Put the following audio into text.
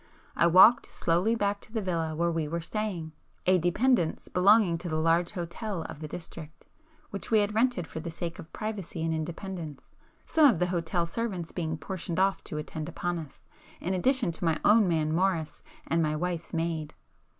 I walked slowly back to the villa where we were staying,—a 'dépendance' belonging to the large hotel of the district, which we had rented for the sake of privacy and independence, some of the hotel servants being portioned off to attend upon us, in addition to my own man Morris, and my wife's maid.